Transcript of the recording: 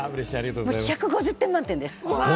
１５０点満点です！